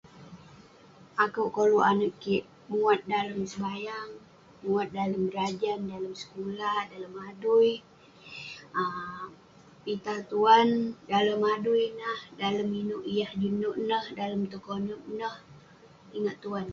akouk koluk anag kik muat dalem sebayang, muat dalem berajan, dalem sekulah, dalem adui, um pitah tuan dalem adui nah dalem inouk yah juk nouk neh, dalem tong konep neh ingat tuan